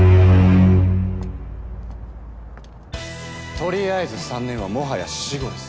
とりあえず３年はもはや死語です。